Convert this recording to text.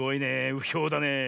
うひょだね。